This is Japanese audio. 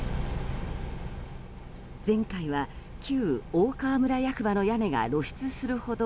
前回は旧大川村役場の屋根が露出するほど